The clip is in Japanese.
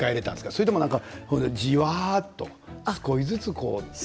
それとも、じわっと少しずつ？